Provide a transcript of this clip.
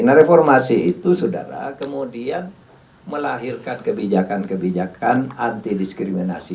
nah reformasi itu saudara kemudian melahirkan kebijakan kebijakan anti diskriminasi